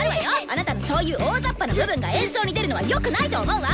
あなたのそういう大ざっぱな部分が演奏に出るのはよくないと思うわ。